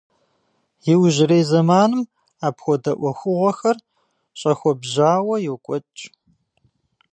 Иужьрей зэманым апхуэдэ ӏуэхугъуэхэр щӏэхуэбжьауэ йокӏуэкӏ.